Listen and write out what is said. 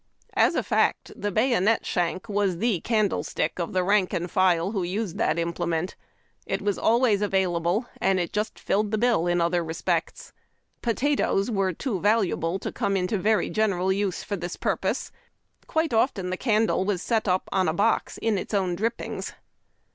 As a fact, the bayonet shank was the candlestick of the rank and 78 IJARD TACK AND COFFEE. file who used tliat iinpleiiieiit. It was always available, and just " tilled the bill " in other respects. Potatoes were too valuable to come into very general use for this purpose. Quite often the candle was set up on a box in its own drippings.